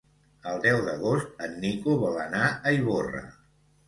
El deu d'agost en Nico vol anar a Ivorra.